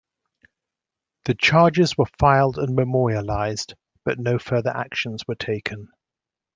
The charges were filed and memorialized, but no further actions were taken.